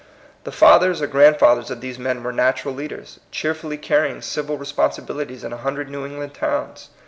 The fathers or grandfathers of these men were natural leaders, cheerfully carrying civil responsi bilities in a hundred New England towns.